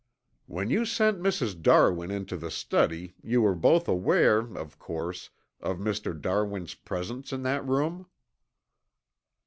"When you sent Mrs. Darwin into the study you were both aware, of course, of Mr. Darwin's presence in that room?"